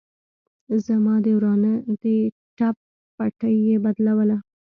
زما د ورانه د ټپ پټۍ يې بدلوله.